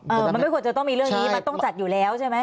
มันไม่ควรจะต้องมีเรื่องนี้มันต้องจัดอยู่แล้วใช่ไหม